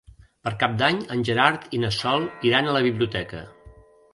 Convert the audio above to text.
Per Cap d'Any en Gerard i na Sol iran a la biblioteca.